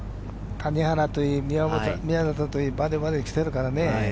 谷原といい、宮里といい、まだまだ来てるからね。